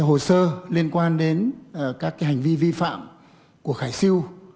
các hồi sơ liên quan đến các hành vi vi phạm của khải siêu